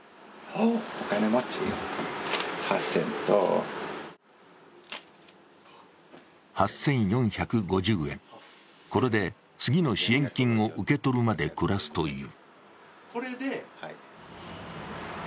お金持ち、８０００円と８４５０円、これで次の支援金を受け取るまで暮らすという。